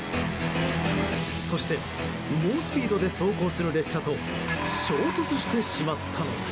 そして猛スピードで走行する列車と衝突してしまったのです。